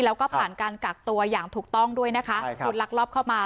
แล้วก็ผ่านการกักตัวอย่างถูกต้องด้วยนะคะคุณลักลอบเข้ามา